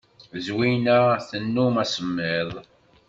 Zwina tennum asemmiḍ.